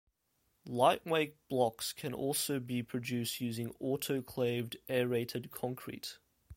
Lightweight blocks can also be produced using autoclaved aerated concrete.